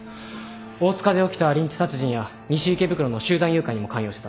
大塚で起きたリンチ殺人や西池袋の集団誘拐にも関与してたって。